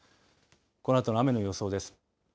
このあとの雨の予想です。